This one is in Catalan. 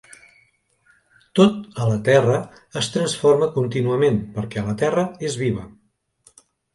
Tot a la Terra es transforma contínuament, perquè la Terra és viva.